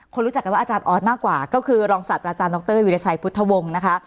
รู้จักกันว่าอาจารย์ออสมากกว่าก็คือรองศาสตราจารย์ดรวิรชัยพุทธวงศ์นะคะ